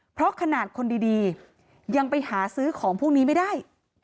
เพราะขนาดคนดียังไปหาซื้อของพวกนี้ไม่ได้